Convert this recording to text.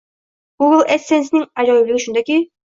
Google adsensening ajoyibligi shundaki